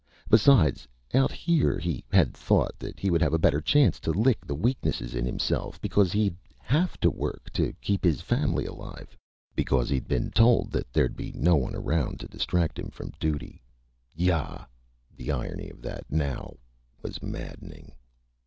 Besides, out here he had thought that he would have a better chance to lick the weaknesses in himself because he'd have to work to keep his family alive; because he'd been told that there'd be no one around to distract him from duty. Yah! The irony of that, now, was maddening.